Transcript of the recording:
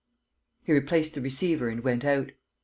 He replaced the receiver and went out.